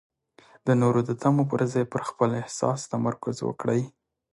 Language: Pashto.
د نورو د تمو پر ځای پر خپل احساس تمرکز وکړئ.